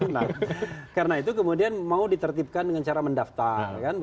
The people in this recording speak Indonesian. nah karena itu kemudian mau ditertipkan dengan cara mendaftar